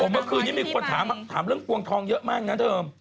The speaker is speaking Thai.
เมื่อคืนนี้มีคนถามเรื่องปวงทองเยอะมากนะเดิม